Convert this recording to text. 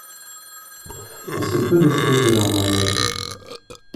On sait peu de choses de leur mariage.